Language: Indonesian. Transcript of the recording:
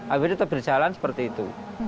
agar tetap berjalan seperti itu